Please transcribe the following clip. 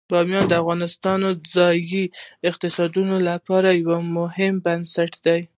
بامیان د افغانستان د ځایي اقتصادونو لپاره یو مهم بنسټ دی.